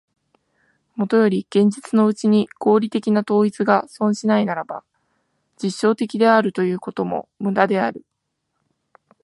もとより現実のうちに合理的な統一が存しないならば、実証的であるということも無駄である。